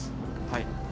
はい。